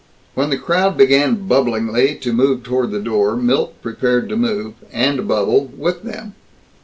When the crowd began bubblingly to move toward the door, Milt prepared to move and bubble with them.